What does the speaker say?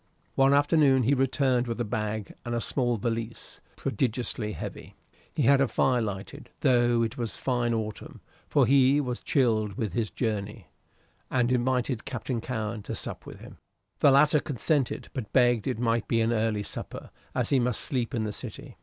One afternoon he returned with a bag and a small valise, prodigiously heavy. He had a fire lighted, though it was fine autumn, for he was chilled with his journey, and invited Captain Cowen to sup with him. The latter consented, but begged it might be an early supper, as he must sleep in the City.